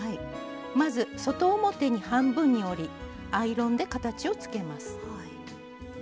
まず外表に半分に折りアイロンで形をつけます。